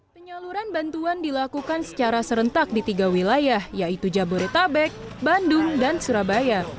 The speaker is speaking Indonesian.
penyaluran bantuan dilakukan secara serentak di tiga wilayah yaitu jabodetabek bandung dan surabaya